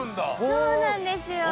そうなんですよ。